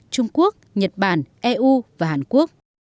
trung quốc nhật bản eu và hàn quốc